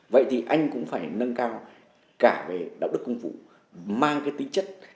vậy thì anh cũng phải nâng cao cả về đạo đức công vụ mang cái tính chất